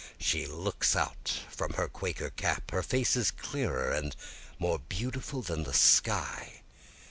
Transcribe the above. She looks out from her quaker cap, her face is clearer and more beautiful than the sky.